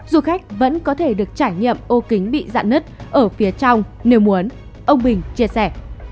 du khách vẫn có thể được trải nghiệm ô kính bị dạn nứt ở phía trong nếu muốn ông bình chia sẻ